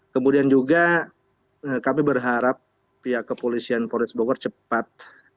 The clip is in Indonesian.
kemudian juga kami berharap pihak kepolisian poretsbogor cepat